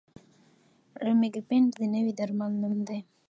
ریمیګیپینټ د نوي درمل نوم دی.